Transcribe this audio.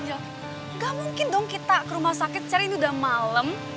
nggak mungkin dong kita ke rumah sakit sekarang ini udah malam